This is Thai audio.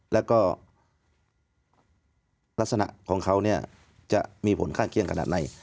แล้วก็ลักษณะของเขาเนี่ยจะมีผลข้างเคียงขนาดไหน